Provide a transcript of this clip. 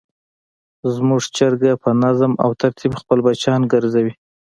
زموږ چرګه په نظم او ترتیب خپل بچیان ګرځوي.